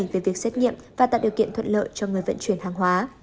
về việc xét nghiệm và tạo điều kiện thuận lợi cho người vận chuyển hàng hóa